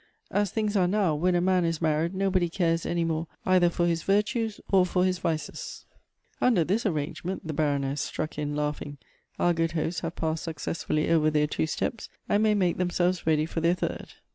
" As things are now, when a man is married nobody cares any more either for his virtues or for his vices." " Under this an angement," thew Baroness struck in, laughing, " our good hosts have passed successfully over their two steps, and may make themselves ready for their third."